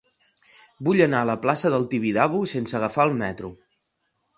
Vull anar a la plaça del Tibidabo sense agafar el metro.